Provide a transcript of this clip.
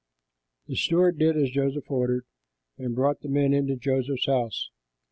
The steward did as Joseph ordered, and brought the men into Joseph's house.